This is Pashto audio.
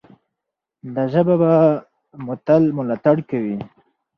دا ژبه به مو تل ملاتړ کوي.